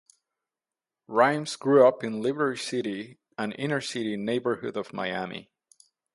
Rhymes grew up in Liberty City, an inner city neighborhood of Miami.